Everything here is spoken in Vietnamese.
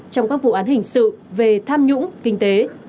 trong các vụ án hình sự về tham nhũng kinh tế